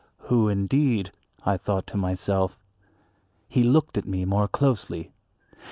"Who, indeed," I thought to myself. He looked at me more closely.